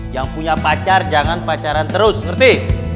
yang punya pacar jangan pacaran terus ngerti